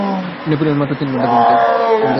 Napoleon মাত্র তিন ঘন্টা ঘুমুতেন।